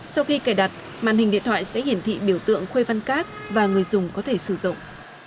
sau khi cài đặt màn hình điện thoại sẽ hiển thị biểu tượng khuê văn cát và người dùng có thể sử dụng